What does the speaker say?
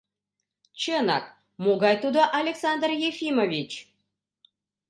Чынак, могай тудо Александр Ефимович?